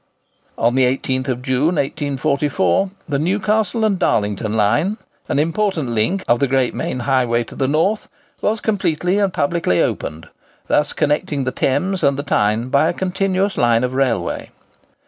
On the 18th of June, 1844, the Newcastle and Darlington line—an important link of the great main highway to the north—was completed and publicly opened, thus connecting the Thames and the Tyne by a continuous line of railway.